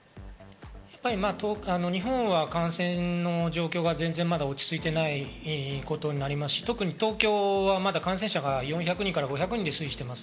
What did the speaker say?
日本は感染の状況がまだ落ち着いていないことになりますし、特に東京はまだ感染者が４００人から５００人で推移しています。